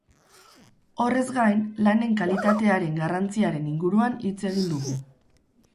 Horrez gain, lanen kalitatearen garrantziaren inguruan hitz egin dugu.